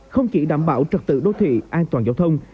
không chỉ đảm bảo trật tự đô thị an toàn giao thông